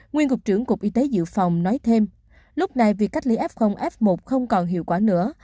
nguyên cục trưởng cục y tế dự phòng nói thêm lúc này việc cách ly f f một không còn hiệu quả nữa